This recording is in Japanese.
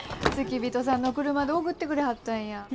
付き人さんの車で送ってくれはったんや。